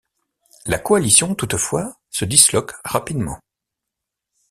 La coalition, toutefois, se disloque rapidement.